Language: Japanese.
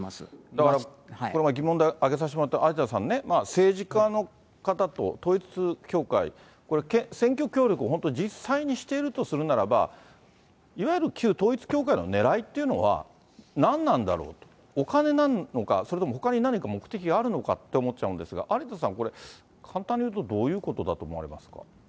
だからこれ前疑問で挙げさせてもらった、有田さんね、政治家の方と統一教会、これ、選挙協力、本当実際にしているとするならば、いわゆる旧統一教会のねらいっていうのは何なんだろう、お金なのか、それともほかの何か目的があるのかと思っちゃうんですが、有田さん、これ、簡単に言うとどういうことだと思われますか。